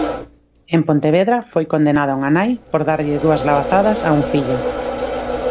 En Pontevedra foi condenada unha nai por darlle dúas labazadas a un fillo.